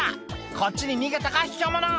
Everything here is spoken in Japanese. こっちに逃げたかひきょう者！」